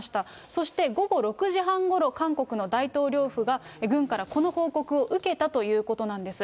そして午後６時半ごろ、韓国の大統領府が軍からこの報告を受けたということなんです。